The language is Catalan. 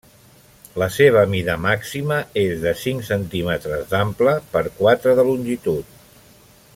La seva mida màxima és de cinc centímetres d'ample per quatre de longitud.